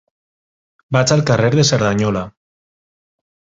Vaig al carrer de Cerdanyola.